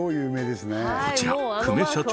こちら久米社長